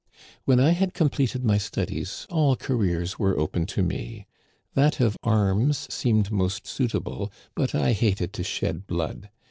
"When I had completed my studies, all careers were open to me. That of arms seemed most suitable, but I hated to shed blood.